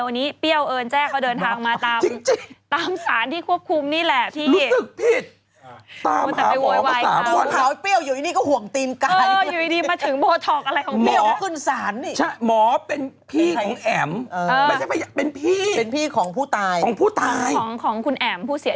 วันนี้ลีเลยช่างออกเดินทางมา